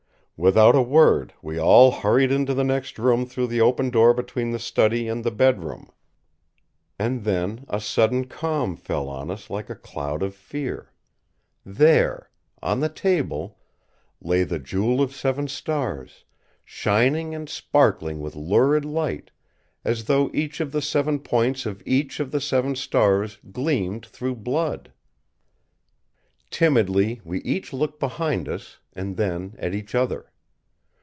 Without a word we all hurried into the next room through the open door between the study and the bedroom. And then a sudden calm fell on us like a cloud of fear. There! on the table, lay the Jewel of Seven Stars, shining and sparkling with lurid light, as though each of the seven points of each the seven stars gleamed through blood! Timidly we each looked behind us, and then at each other.